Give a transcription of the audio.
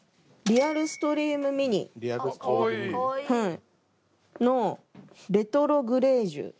リアルストリームミニのレトログレージュ。